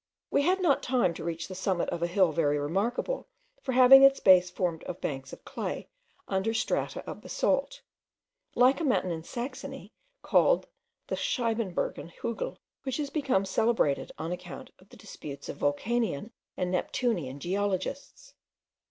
We had not time to reach the summit of a hill very remarkable for having its base formed of banks of clay under strata of basalt, like a mountain in Saxony, called the Scheibenbergen Hugel, which is become celebrated on account of the disputes of volcanean and neptunean geologists.